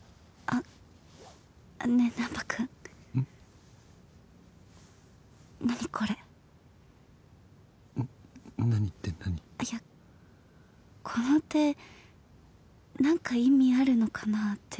あっいやこの手何か意味あるのかなって。